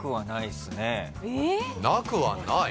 ・「なくはない」？